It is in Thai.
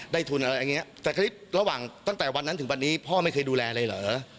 ได้ทุนอะไรอย่างเงี้ยแต่ตั้งแต่วันนั้นถึงวันนี้พ่อไม่เคยดูแลอะไรเหรอ